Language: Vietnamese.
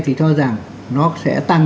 thì cho rằng nó sẽ tăng